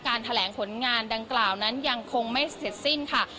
แถลงผลงานดังกล่าวนั้นยังคงไม่เสร็จสิ้นค่ะ